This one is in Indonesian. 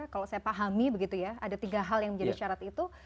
kalau saya pahami begitu ya ada tiga hal yang menjadi syarat itu